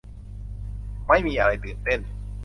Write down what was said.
ไม่มีอะไรตื่นเต้น